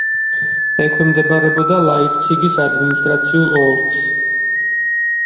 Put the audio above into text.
ექვემდებარებოდა ლაიფციგის ადმინისტრაციულ ოლქს.